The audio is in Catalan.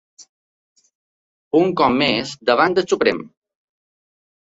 Un cop més davant del Suprem.